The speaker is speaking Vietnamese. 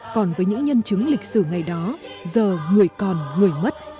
còn với những nhân chứng lịch sử ngày đó giờ người còn người mất